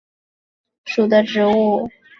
云南野扇花为黄杨科野扇花属的植物。